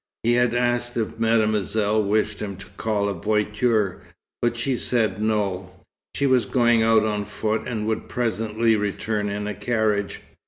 He had asked if Mademoiselle wished him to call a voiture, but she had said no. She was going out on foot, and would presently return in a carriage.